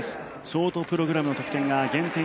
ショートプログラムの得点が減点